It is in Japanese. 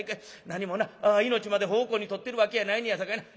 なにもな命まで奉公に取ってるわけやないねやさかいな。